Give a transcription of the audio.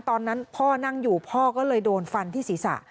ตอนนั้นพ่อนั่งอยู่พ่อก็เลยโดนฟันที่ศีรษะ